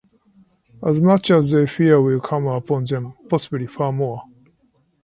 As much as they fear will come upon them, possibly far more.